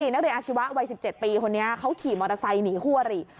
นักเรียนอาชีวะวัย๑๗ปีคนนี้เขาขี่มอเตอร์ไซค์หนีคู่อริ